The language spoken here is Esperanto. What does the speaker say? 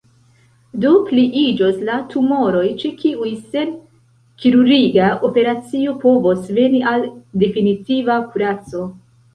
Do pliiĝos la tumoroj, ĉe kiuj sen kirurgia operacio povos veni al definitiva kuraco.